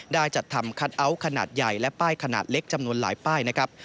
ได้จัดทำคัทเอาท์ขนาดใหญ่และป้ายขนาดเล็กจำนวนหลายป้ายนะครับ